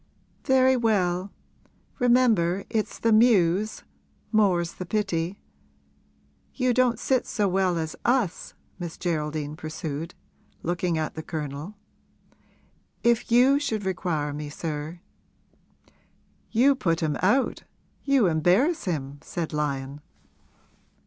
'Very well; remember it's the Mews more's the pity! You don't sit so well as us!' Miss Geraldine pursued, looking at the Colonel. 'If you should require me, sir ' 'You put him out; you embarrass him,' said Lyon.